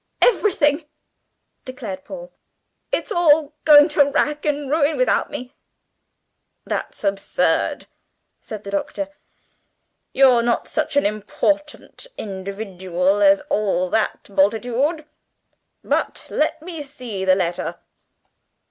"Everything!" declared Paul; "it's all going to rack and ruin without me!" "That's absurd," said the Doctor; "you're not such an important individual as all that, Bultitude. But let me see the letter."